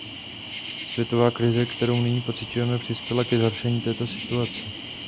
Světová krize, kterou nyní pociťujeme, přispěla ke zhoršení této situace.